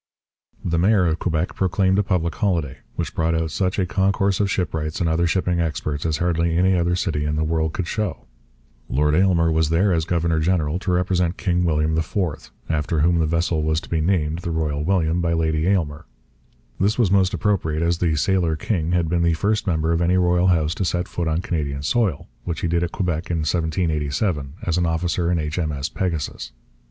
The mayor of Quebec proclaimed a public holiday, which brought out such a concourse of shipwrights and other shipping experts as hardly any other city in the world could show. Lord Aylmer was there as governor general to represent King William IV, after whom the vessel was to be named the Royal William by Lady Aylmer. This was most appropriate, as the sailor king had been the first member of any royal house to set foot on Canadian soil, which he did at Quebec in 1787, as an officer in H.M.S. Pegasus.